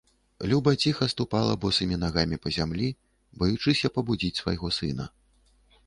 Люба ціха ступала босымі нагамі па зямлі, баючыся пабудзіць свайго сына.